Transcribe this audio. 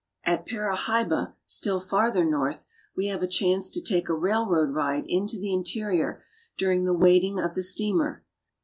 At Parahyba, still farther north, we have a chance to take a railroad ride into the interior during the waiting of the steamer.